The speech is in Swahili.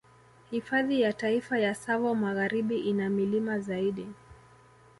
Hifadhi ya Taifa ya Tsavo Magharibi ina milima zaidi